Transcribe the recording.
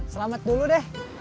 selamat dulu deh